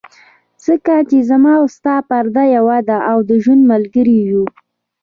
ځکه چې زما او ستا پرده یوه ده، او د ژوند ملګري یو.